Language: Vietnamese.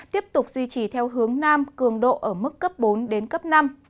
tiếp tục duy trì theo hướng nam cường độ ở mức cấp bốn đến cấp năm